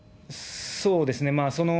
そうですね。